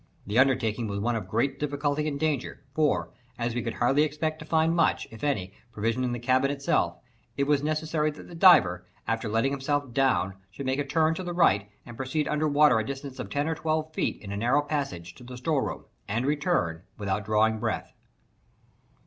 The undertaking was one of great difficulty and danger; for, as we could hardly expect to find much, if any, provision in the cabin itself, it was necessary that the diver, after letting himself down, should make a turn to the right, and proceed under water a distance of ten or twelve feet, in a narrow passage, to the storeroom, and return, without drawing breath.